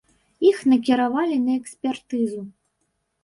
Іх накіравалі на экспертызу.